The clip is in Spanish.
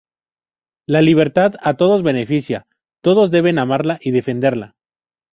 La libertad a todos beneficia, todos deben amarla y defenderla.